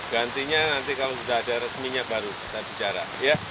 gantinya nanti kalau sudah ada resminya baru saya bicara